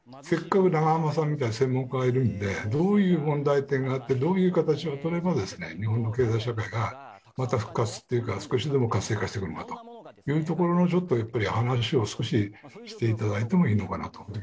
せっかく永濱さんみたいな専門家がいるのでどういう問題点があってどういう形をとればですね日本の経済社会がまた復活というか少しでも活性化してくるのかというところのちょっと話を少ししていただいてもいいのかなと。